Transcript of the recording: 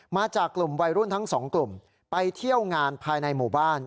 มาจากกลุ่มวัยรุ่นทั้งสองกลุ่มไปเที่ยวงานภายในหมู่บ้าน